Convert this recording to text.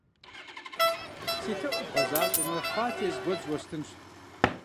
Си лъэӀур бгъэзащӀэмэ фалъэ из гуэдз уэстынщ!